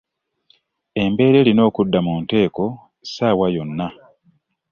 Embeera erina okudda mu nteeko ssaawa yonna.